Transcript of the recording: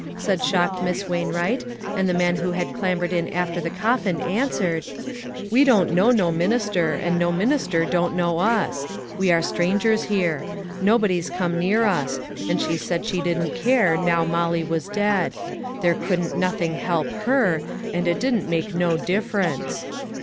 said shocked Miss Wainwright, and the man who had clambered in after the coffin answered : "We don't know no minister, and no min ister don't know us. We are strangers here. Nobody's come near us ; and she said she didn't care, now Mollie was dead. There couldn't nothing help her, and it didn't make no difference."